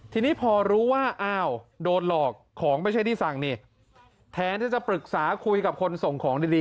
ทีนี้พอรู้ว่าอ้าวโดนหลอกของไม่ใช่ที่สั่งนี่แทนที่จะปรึกษาคุยกับคนส่งของดี